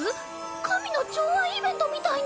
神の寵愛イベントみたいに。